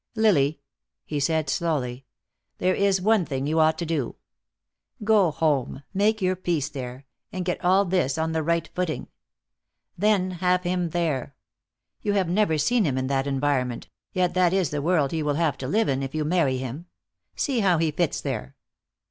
"Lily," he said, slowly, "there is one thing you ought to do. Go home, make your peace there, and get all this on the right footing. Then have him there. You have never seen him in that environment, yet that is the world he will have to live in, if you marry him. See how he fits there."